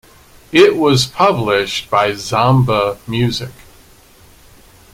It was published by Zomba Music.